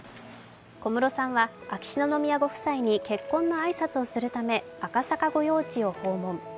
小室さんは秋篠宮ご夫妻に結婚の挨拶をするため赤坂御用地を訪問。